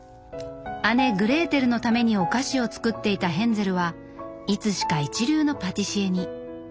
姉グレーテルのためにお菓子を作っていたヘンゼルはいつしか一流のパティシエに。